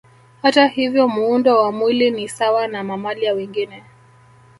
Hata hivyo muundo wa mwili ni sawa na mamalia wengine